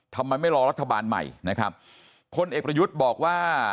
ทำไมไม่รอรัฐบาลใหม่นะครับพลเอกประยุทธ์บอกว่า